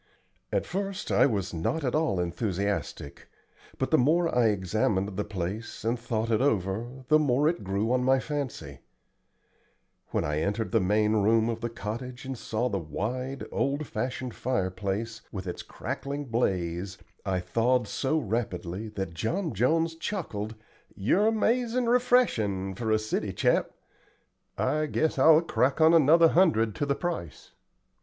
At first I was not at all enthusiastic, but the more I examined the place, and thought it over, the more it grew on my fancy. When I entered the main room of the cottage, and saw the wide, old fashioned fireplace, with its crackling blaze, I thawed so rapidly that John Jones chuckled. "You're amazin' refreshin' for a city chap. I guess I'll crack on another hundred to the price."